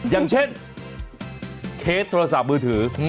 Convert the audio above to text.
อย่างเช่นเคสโทรศัพท์มือถือ